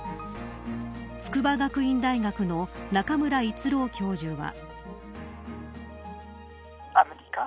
筑波学院大学の中村逸郎教授は。